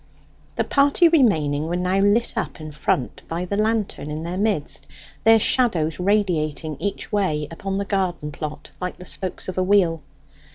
The party remaining were now lit up in front by the lantern in their midst, their shadows radiating each way upon the garden plot like the spokes of a wheel.